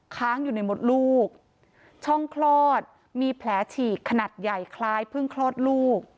ค้างอยู่ในมดลูกช่องคลอดมีแผลฉีกขนาดใหญ่คล้ายเพิ่งคลอดลูก